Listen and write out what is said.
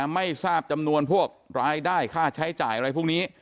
ไม่ทราบจำนวนพวกรายได้ค่าใช้จ่ายอะไรพวกนี้